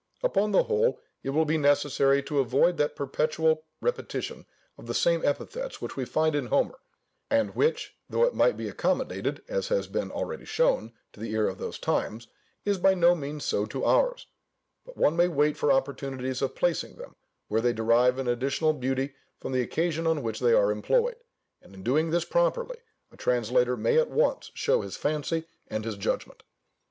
Upon the whole, it will be necessary to avoid that perpetual repetition of the same epithets which we find in Homer, and which, though it might be accommodated (as has been already shown) to the ear of those times, is by no means so to ours: but one may wait for opportunities of placing them, where they derive an additional beauty from the occasions on which they are employed; and in doing this properly, a translator may at once show his fancy and his judgment.